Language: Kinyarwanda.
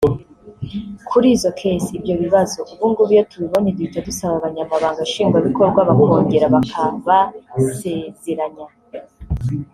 kuri izo case (ibyo bibazo) ubu ngubu iyo tuyibonye duhita dusaba abanyamabanga nshingwabikorwa bakongera bakabasezeranya